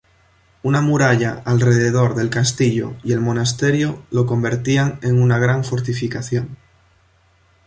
Una muralla alrededor del castillo y el monasterio lo convertían en una gran fortificación.